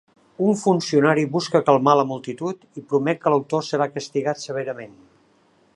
Un funcionari busca calmar la multitud i promet que l'autor serà castigat severament.